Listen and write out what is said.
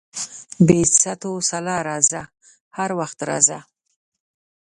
بې ست وسلا راځه، هر وخت راځه.